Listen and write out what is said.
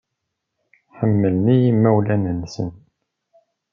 Ḥemmlen-iyi yimawlan-nnes.